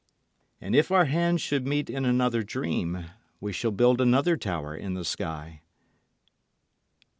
And if our hands should meet in another dream we shall build another tower in the sky.